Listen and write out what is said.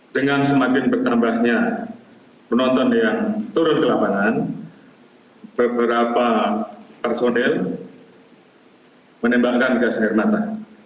dengan semakin bertambahnya penonton yang turun ke lapangan beberapa personel menembakkan gas air mata